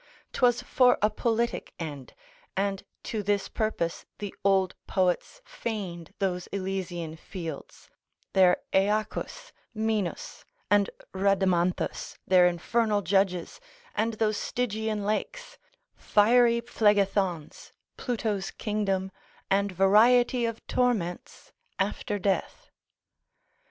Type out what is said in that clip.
'Twas for a politic end, and to this purpose the old poets feigned those elysian fields, their Aeacus, Minos, and Rhadamanthus, their infernal judges, and those Stygian lakes, fiery Phlegethons, Pluto's kingdom, and variety of torments after death.